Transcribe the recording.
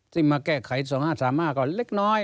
มาแก้ไข๒๕๓๕ก็เล็กน้อย